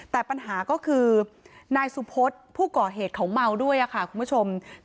แต่ปัญหาก็คือนายสุพศผู้ก่อเหตุเขาเมาด้วยค่ะคุณผู้ชม